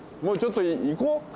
もうちょっと行こう。